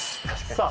さあ